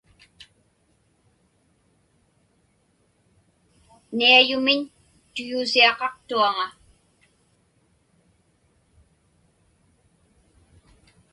Niayumiñ tuyuusiaqaqtuaŋa.